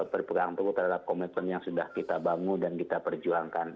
berpegang teguh terhadap komitmen yang sudah kita bangun dan kita perjuangkan